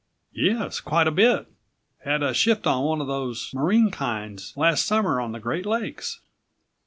"Yes, quite a bit; had a shift on one of those marine kinds last summer on the Great Lakes."